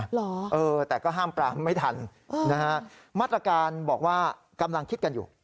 เหรอเออแต่ก็ห้ามปรามไม่ทันนะฮะมาตรการบอกว่ากำลังคิดกันอยู่